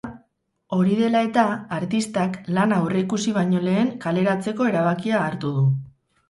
Hori dela eta, artistak lana aurreikusi baino lehen kaleratzeko erabakia hartu du.